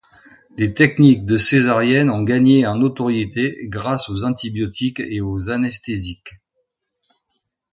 Les techniques de césarienne ont gagné en notoriété grâce aux antibiotiques et aux anesthésiques.